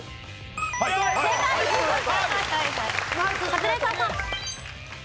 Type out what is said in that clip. カズレーザーさん。